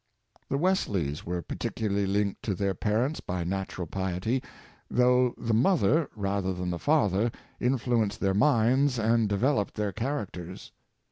The Wesleys were pecuharly Hnked to their parents by natural piety, though the mother, rather than the father, influenced their minds and developed their char acters.